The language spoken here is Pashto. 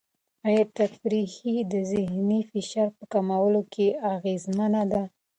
آیا تفریح د ذهني فشار په کمولو کې اغېزمنه ده؟